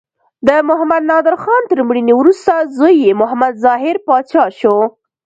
د محمد نادر خان تر مړینې وروسته زوی یې محمد ظاهر پاچا شو.